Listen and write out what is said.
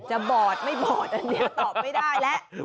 บอดไม่บอดอันนี้ตอบไม่ได้แล้ว